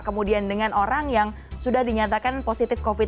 kemudian dengan orang yang sudah dinyatakan positif covid sembilan